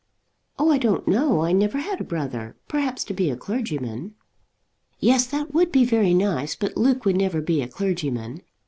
"Oh, I don't know. I never had a brother; perhaps to be a clergyman." "Yes; that would be very nice; but Luke would never be a clergyman.